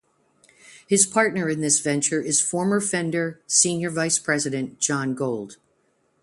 His partner in this venture is former Fender Senior Vice President Jon Gold.